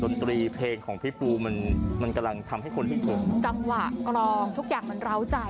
ดนตรีเพลงของพี่ปูมันมันกำลังทำให้คนเห็นจังหวะกรองทุกอย่างมันเล้าใจ